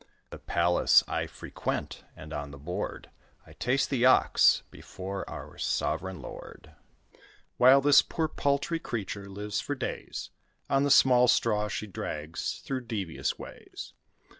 The palace I frequent, and on the board I taste the ox before our sovereign lord; While this poor paltry creature lives for days On the small straw she drags through devious ways.